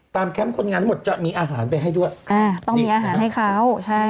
แคมป์คนงานทั้งหมดจะมีอาหารไปให้ด้วยอ่าต้องมีอาหารให้เขาใช่